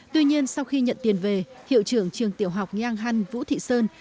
tuy nhiên sau khi nhận tiền về hiệu trưởng trường tiểu học giang hăn vũ thị sơn